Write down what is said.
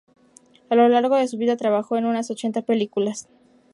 A lo largo de su vida trabajó en unas ochenta películas.